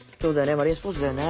マリンスポーツだよね。